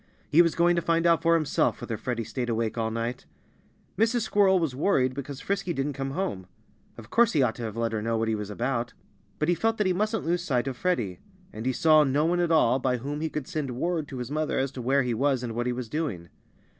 He was going to find out for himself whether Freddie stayed awake all night. Mrs. Squirrel was worried because Frisky didn't come home. Of course he ought to have let her know what he was about. But he felt that he mustn't lose sight of Freddie. And he saw no one at all by whom he could send word to his mother as to where he was and what he was doing.